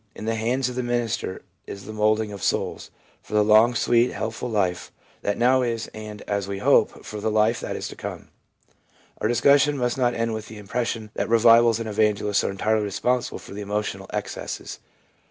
In the hands of the minister is the moulding of souls — for the long, sweet, helpful life that now is, and, as we hope, for the life that is to come/ Our discussion must not end with the impression THE ABNORMAL ASPECT OF CONVERSION 177 that revivals and evangelists are entirely responsible for the emotional excesses.